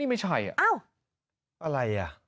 อาล่ะ